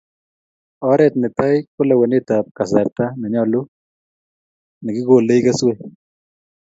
Oret ne tai ko lewenet ab kasarta nenyolu nekikolee keswek